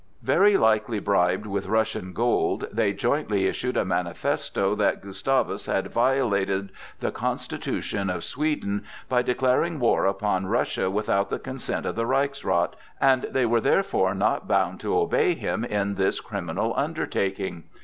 Very likely bribed with Russian gold, they jointly issued a manifesto that Gustavus had violated the constitution of Sweden by declaring war upon Russia without the consent of the Reichsrath, and they were therefore not bound to obey him in this criminal undertaking.